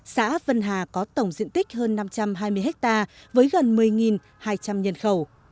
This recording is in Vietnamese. xã vân hà có tổng diện tích hơn năm trăm hai mươi ha với gần một mươi hai trăm linh nhân khẩu